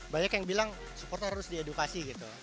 banyak yang bilang supporter harus diedukasi gitu